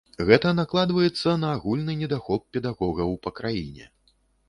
Гэта накладваецца на агульны недахоп педагогаў па краіне.